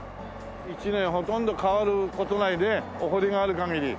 １年ほとんど変わる事ないねお堀がある限り。